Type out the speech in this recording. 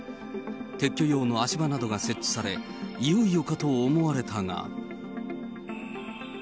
撤去用の足場などが設置され、いよいよかと思われたが。